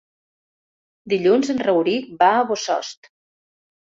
Dilluns en Rauric va a Bossòst.